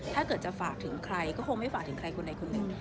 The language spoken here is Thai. ถ้าเกิดจะฝากถึงใครก็คงไม่ฝากถึงใครคนใดคนหนึ่ง